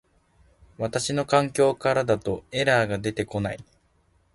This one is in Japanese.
私の環境からだとエラーが出て出来ない